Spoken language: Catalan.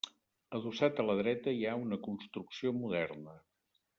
Adossat a la dreta, hi ha una construcció moderna.